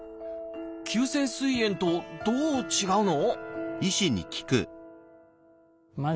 「急性すい炎」とどう違うの？